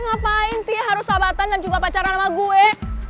ngapain sih harus sabatan dan juga pacaran sama gue